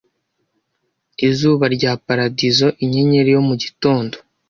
izuba rya paradizo inyenyeri yo mu gitondo